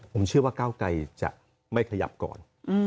ผมเชื่อว่าก้าวไกรจะไม่ขยับก่อน